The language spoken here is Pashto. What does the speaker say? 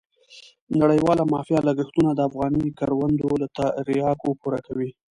نړیواله مافیا لګښتونه د افغاني کروندو له تریاکو پوره کوي.